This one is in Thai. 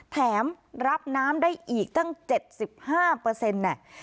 แถมรับน้ำได้อีกตั้ง๗๕เปอร์เซ็นต์น่ะ